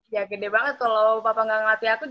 ya gede banget kalo papa gak ngelatih aku